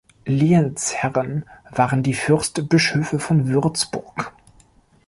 Lehensherren waren die Fürstbischöfe von Würzburg.